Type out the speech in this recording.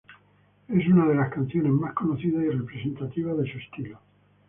Es una de sus canciones más conocidas y representativas de su estilo.